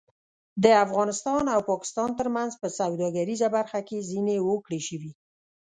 د افغانستان او پاکستان ترمنځ په سوداګریزه برخه کې ځینې هوکړې شوې